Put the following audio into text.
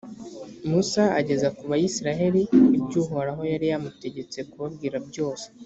musa ageza ku bayisraheli ibyo uhoraho yari yamutegetse kubabwira byose.